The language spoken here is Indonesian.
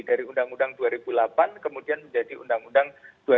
dari undang undang dua ribu delapan kemudian menjadi undang undang dua ribu delapan